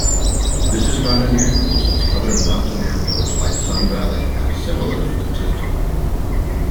This is not unusual since other mountain airports like Sun Valley have similar statistics.